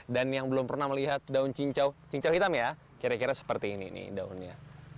dan yang belum pernah melihat daun cincau cincau hitam ya kira kira seperti ini nih daunnya